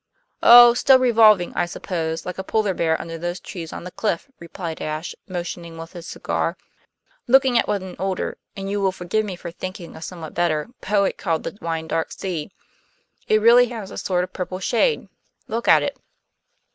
"Oh, still revolving, I suppose, like a polar bear under those trees on the cliff," replied Ashe, motioning with his cigar, "looking at what an older (and you will forgive me for thinking a somewhat better) poet called the wine dark sea. It really has a sort of purple shade; look at it."